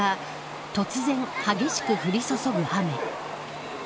突然、激しく降り注ぐ雨。